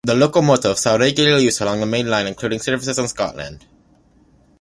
The locomotive saw regular use along the mainline, including services in Scotland.